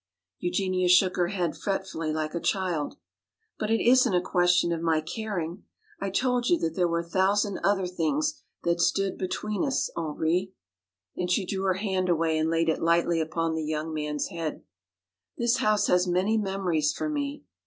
Eugenia shook her head fretfully like a child. "But it isn't a question of my caring. I told you that there were a thousand other things that stood between us, Henri." Then she drew her hand away and laid it lightly upon the young man's head. "This house has many memories for me.